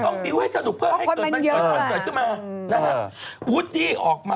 ต้องบริกษ์ให้สนุกเพื่อให้เกินขึ้นมา